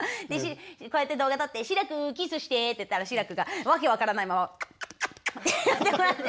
こうやって動画撮って「志らくキスして」って言ったら志らくが訳分からないままってやってもらって。